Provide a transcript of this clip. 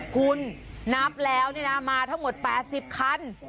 คุณนับแล้วมาทั้งหมด๘๐คัน